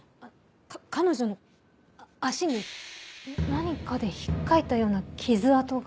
彼女の脚に何かで引っかいたような傷痕が。